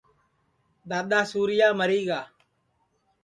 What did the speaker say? دؔادؔا سُورِیا مری گا